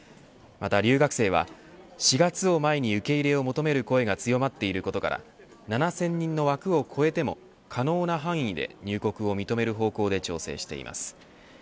また留学生は、４月を前に受け入れを求める声が強まっていることから７０００人の枠を超えても可能な範囲で入国を認める方向で調整しています。